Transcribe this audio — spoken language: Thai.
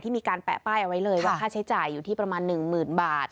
มีการแปะป้ายเอาไว้เลยว่าค่าใช้จ่ายอยู่ที่ประมาณ๑๐๐๐บาท